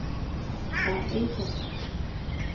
Mba'éichapa.